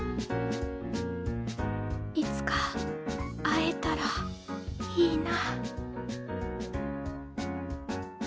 いつか会えたらいいな。